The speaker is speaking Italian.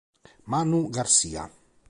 Manu García